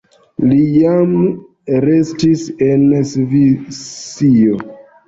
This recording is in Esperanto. Li jam restis en Svisio.